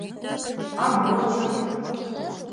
А молыжым?